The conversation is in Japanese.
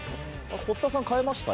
堀田さん変えました？